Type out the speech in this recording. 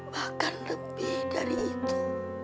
bahkan lebih dari itu